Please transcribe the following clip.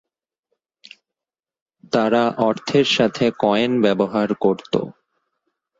তারা অর্থের সাথে কয়েন ব্যবহার করতো।